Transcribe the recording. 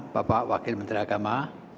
bapak wakil menteri agama